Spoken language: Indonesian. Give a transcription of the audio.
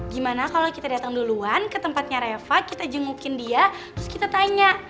gimana kalau kita datang duluan ke tempatnya reva kita jengukin dia terus kita tanya